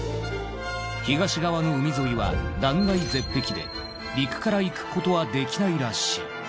東側の海沿いは断崖絶壁で陸から行くことはできないらしい。